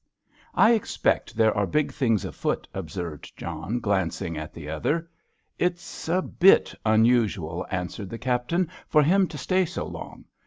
"I expect there are big things afoot," observed John, glancing at the other. "It's a bit unusual," answered the Captain, "for him to stay so long.